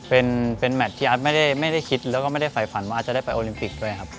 เป็นแมทที่อาร์ตไม่ได้คิดแล้วก็ไม่ได้ฝ่ายฝันว่าอาจจะได้ไปโอลิมปิกด้วยครับ